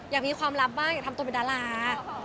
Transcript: อยากมีความลับบ้างอยากทำตัวเป็นดารา